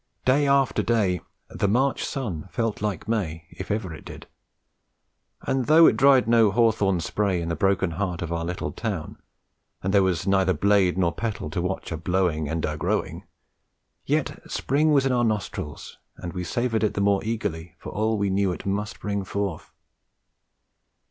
Day after day 'the March sun felt like May,' if ever it did; and though it dried no hawthorn spray in the broken heart of our little old town, and there was neither blade nor petal to watch a blowing and a growing, yet Spring was in our nostrils and we savoured it the more eagerly for all we knew it must bring forth.